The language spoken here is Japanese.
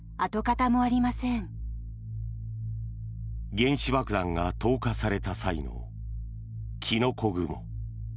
原子爆弾が投下された際のキノコ雲。